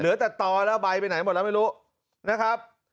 เหลือแต่ต่อแล้วใบไปไหนหมดแล้วไม่รู้นะครับ